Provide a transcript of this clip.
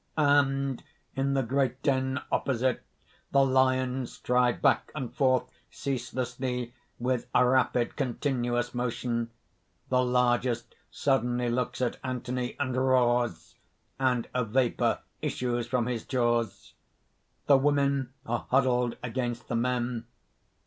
(_And in the great den opposite, the lions stride back and forth, ceaselessly, with a rapid continuous motion. The largest suddenly looks at Anthony and roars, and a vapour issues from his jaws._ _The women are huddled against the men.